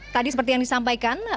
tadi seperti yang disampaikan